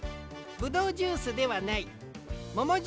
モモジュースではない。